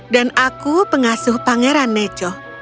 dan aku pengasuh pangeran neco